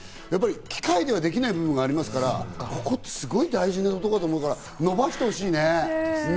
機械ではできない部分がありますから、すごい大事なところだと思うから、のばしてほしいね。